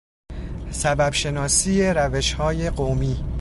سبب شناسی روشهای قومی